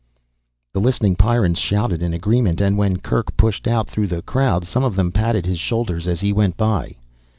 The listening Pyrrans shouted in agreement, and when Kerk pushed out through the crowd some of them patted his shoulder as he went by.